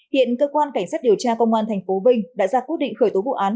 hiện cơ quan cảnh sát điều tra công an tp vinh đã ra quyết định khởi tố vụ án